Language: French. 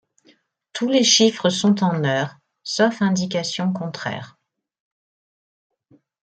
Tous les chiffres sont en heures sauf indication contraire.